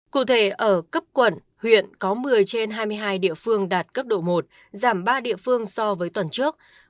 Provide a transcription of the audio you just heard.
cụ thể ở cấp quận huyện có một mươi trên hai mươi hai địa phương đạt cấp độ một giảm ba địa phương so với tuần trước